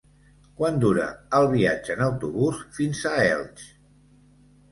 Quant dura el viatge en autobús fins a Elx?